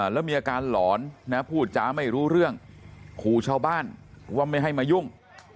แล้วมีอาการหลอนนะพูดจ้าไม่รู้เรื่องขู่ชาวบ้านว่าไม่ให้มายุ่ง